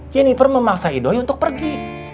jeniper memaksa ido untuk pergi